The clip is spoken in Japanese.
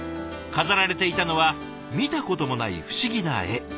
飾られていたのは見たこともない不思議な絵。